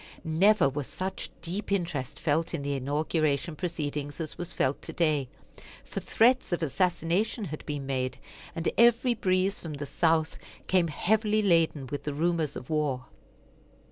Never was such deep interest felt in the inauguration proceedings as was felt today; for threats of assassination had been made, and every breeze from the South came heavily laden with the rumors of war.